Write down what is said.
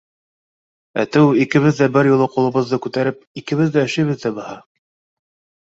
Әтеү икебеҙ ҙә бер юлы ҡулыбыҙҙы күтәреп, икебеҙ ҙә өшөйбөҙ ҙә баһа.